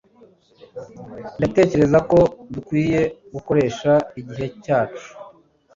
ndatekereza ko dukwiye gukoresha igihe cyacu